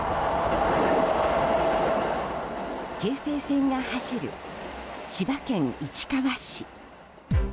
京成線が走る千葉県市川市。